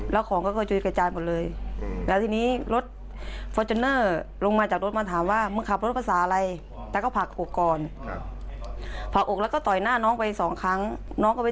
แล้วทีนี้ไอ้หนี้บอกว่ามึงจะเอายังไง